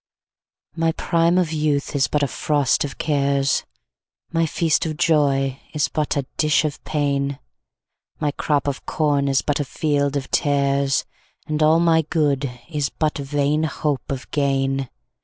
1My prime of youth is but a frost of cares,2My feast of joy is but a dish of pain,3My crop of corn is but a field of tares,4And all my good is but vain hope of gain.